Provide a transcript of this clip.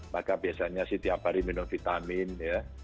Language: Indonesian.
maka biasanya sih tiap hari minum vitamin ya